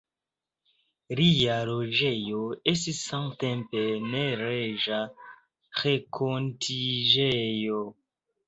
Lia loĝejo estis samtempe neleĝa renkontiĝejo.